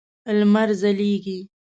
لمر ځلیږی